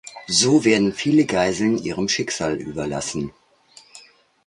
So werden viele Geiseln ihrem Schicksal überlassen.